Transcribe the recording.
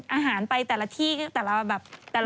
อาหารไปแต่ละที่แต่ละจังหวะของภาพใต้ต่าง